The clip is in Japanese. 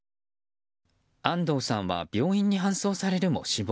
安藤さんは病院に搬送されるも死亡。